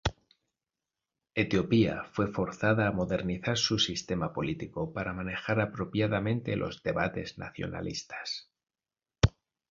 Etiopía fue forzada a modernizar su sistema político para manejar apropiadamente los debates nacionalistas.